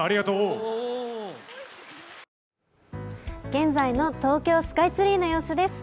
現在の東京スカイツリーの様子です。